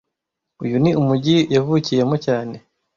Uyu ni umujyi yavukiyemo cyane